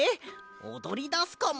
おどりだすかも。